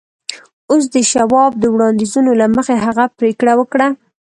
اوس د شواب د وړاندیزونو له مخې هغه پرېکړه وکړه